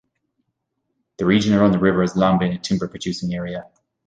The region around the river has long been a timber-producing area.